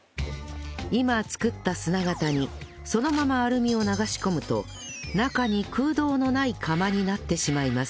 今作った砂型にそのままアルミを流し込むと中に空洞のない釜になってしまいます